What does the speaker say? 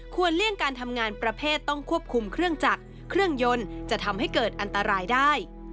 เลี่ยงการทำงานประเภทต้องควบคุมเครื่องจักรเครื่องยนต์จะทำให้เกิดอันตรายได้